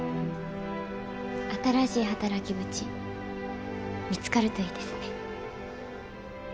新しい働き口見つかると良いですね。